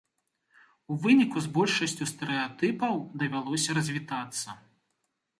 У выніку з большасцю стэрэатыпаў давялося развітацца.